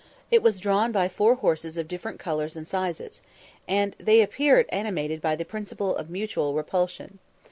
It was drawn by four horses of different colours and sizes, and they appeared animated by the principle of mutual repulsion.